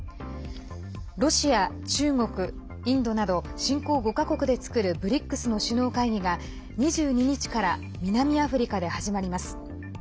ロシア、中国、インドなど新興５か国で作るＢＲＩＣＳの首脳会議が２２日から南アフリカで始まります。